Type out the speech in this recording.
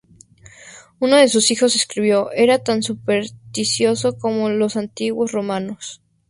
Uno de sus hijos escribió: "Era tan supersticioso como los antiguos romanos".